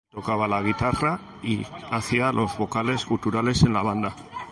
Él tocaba la guitarra y hacía los vocales guturales en la banda.